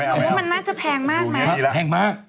หนูว่ามันน่าจะแพงมากมั้ยนะครับแพงมาก